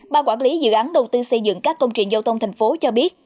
ba quản lý dự án đầu tư xây dựng các công trình giao thông thành phố cho biết